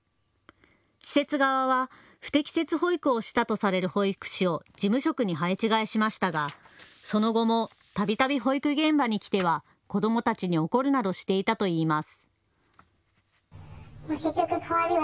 施設側は不適切保育をしたとされる保育士を事務職に配置換えしましたがその後もたびたび保育現場に来ては子どもたちに怒るなどしていたといいます。